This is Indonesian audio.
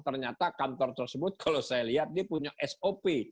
ternyata kantor tersebut kalau saya lihat dia punya sop